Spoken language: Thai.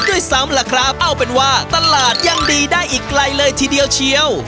ด้วยซ้ำล่ะครับเอาเป็นว่าตลาดยังดีได้อีกไกลเลยทีเดียวเชียว